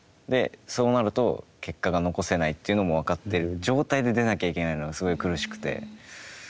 そうなると結果が残せないというのも分かってる状態で出なきゃいけないのがすごい苦しくて。